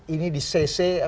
ini di selanjutnya